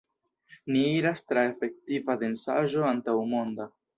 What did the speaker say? Ni iras tra efektiva densaĵo antaŭmonda!